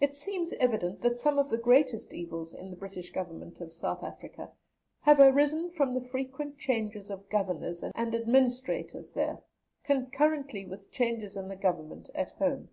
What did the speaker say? It seems evident that some of the greatest evils in the British government of South Africa have arisen from the frequent changes of Governors and Administrators there, concurrently with changes in the Government at home.